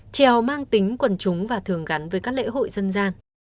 trèo mang tính quần chúng và thường gắn với các lễ hội dân gian